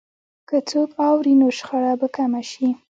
که څوک اوري، نو شخړه به کمه شي.